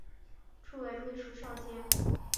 初为秘书少监。